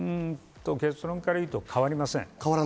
結論から言うと変わりません。